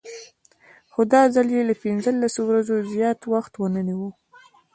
خو دا ځل یې له پنځلسو ورځو زیات وخت ونه نیوه.